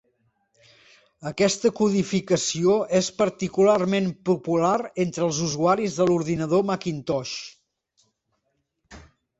Aquesta codificació és particularment popular entre els usuaris de l'ordinador Macintosh.